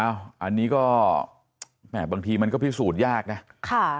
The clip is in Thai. อันนี้ก็แม่บางทีมันก็พิสูจน์ยากนะค่ะ